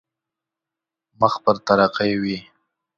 مخ پر ترقي وي.